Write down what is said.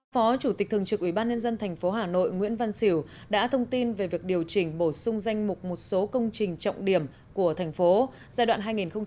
phó chủ tịch thường trực ubnd tp hà nội nguyễn văn xỉu đã thông tin về việc điều chỉnh bổ sung danh mục một số công trình trọng điểm của thành phố giai đoạn hai nghìn một mươi sáu hai nghìn hai mươi